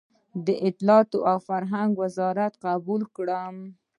د اطلاعاتو او فرهنګ وزارت قبول کړم.